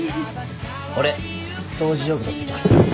俺掃除用具持ってきます。